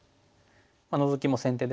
ノゾキも先手ですかね。